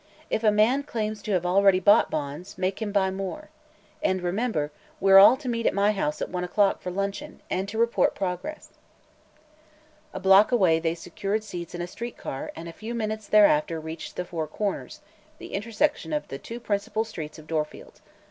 If any man claims to have already bought bonds, make him buy more. And remember, we're all to meet at my house at one o'clock for luncheon, and to report progress." A block away they secured seats in a streetcar and a few minutes thereafter reached the "Four Corners," the intersection of the two principal streets of Dorfield.